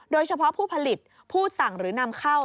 โดยเฉพาะผู้ผลิตผู้สั่งหรือนำเข้า